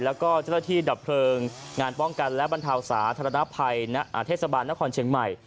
แล้วก็เจ้าหน้าที่ดับเพลิงงานป้องกันและบรรเทาสาธารณภัยเทศบาลนครเชียงใหม่